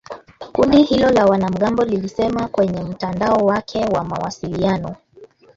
Kundi hilo la wanamgambo lilisema kwenye mtandao wake wa mawasiliano